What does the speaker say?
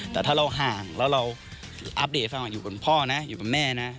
แต่ถ้าเราห่างแล้วเราอัปเดตให้ฟังอยู่คุณพ่อนะอยู่กับแม่นะ